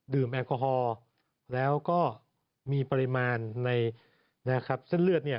ดื่มแอลกอฮอล์แล้วก็มีปริมาณในเส้นเลือด